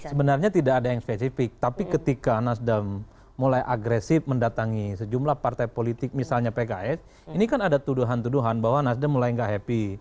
sebenarnya tidak ada yang spesifik tapi ketika nasdem mulai agresif mendatangi sejumlah partai politik misalnya pks ini kan ada tuduhan tuduhan bahwa nasdem mulai nggak happy